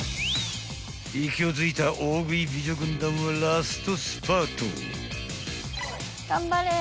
［勢いづいた大食い美女軍団はラストスパート］